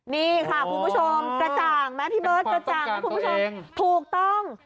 นี่ค่ะคุณผู้ชมกระจ่างไหมพี่เบิร์ตกระจ่างนะคุณผู้ชมถูกต้อง